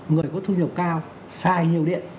người có thu nhập cao xài nhiều điện